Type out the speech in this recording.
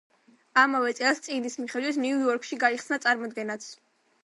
ამავე წელს, წიგნის მიხედვით ნიუ იორკში გაიხნსა წარმოდგენაც.